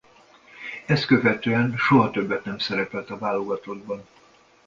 Ezt követően soha többet nem szerepelt a válogatottban.